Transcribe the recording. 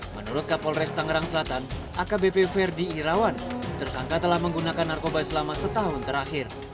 menurut kapolres tangerang selatan akbp ferdi irawan tersangka telah menggunakan narkoba selama setahun terakhir